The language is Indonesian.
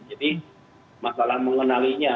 jadi masalah mengenalinya